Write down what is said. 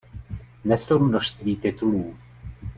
Nesl množství titulů.